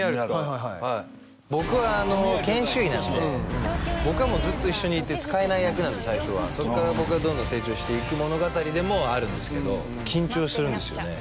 はいはいはい僕は研修医なんで僕はもうずっと一緒にいて使えない役なんで最初はそっから僕がどんどん成長していく物語でもあるんですけど緊張するんですよね